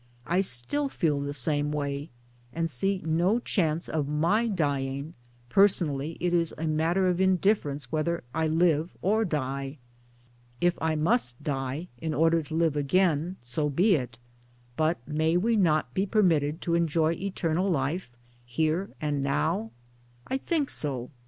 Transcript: I still feel same way and see no chance of my dying, personally it is a matter of indifference whether I live or die. If I must die in order to live again, so be it, but may we not be permitted to enjoy eternal life here and now? I think so.